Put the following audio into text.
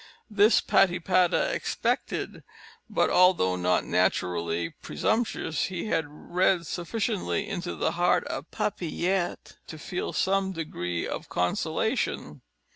This Patipata expected; but, although not naturally presumptuous, he had read sufficiently into the heart of Papillette to feel some degree of consolation.